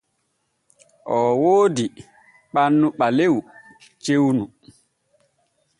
Oo woodi ɓannu ɓalew cewnu.